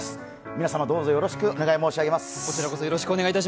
皆様、どうぞよろしくお願い申し上げます。